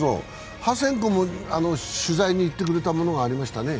ハセン君も取材に行ってくれたものがありましたね。